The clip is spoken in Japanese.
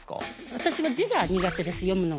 私は字が苦手です読むのが。